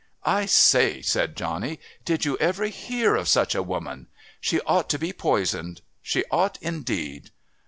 "I say!" said Johnny. "Did you ever hear of such a woman! She ought to be poisoned. She ought indeed.